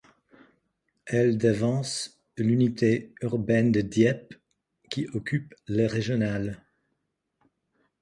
Elle devance l'unité urbaine de Dieppe qui occupe le régional.